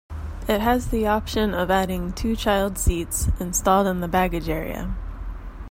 It has the option of adding two child seats, installed in the baggage area.